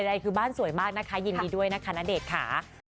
ใดคือบ้านสวยมากนะคะยินดีด้วยนะคะณเดชน์ค่ะ